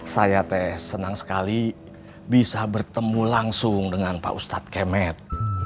saya teh senang sekali bisa bertemu langsung dengan pak ustadz kemet